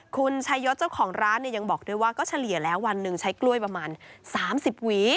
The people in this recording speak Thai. คุณชายศเจ้าของร้านเนี่ยยังบอกด้วยว่าก็เฉลี่ยแล้ววันหนึ่งใช้กล้วยประมาณ๓๐หวี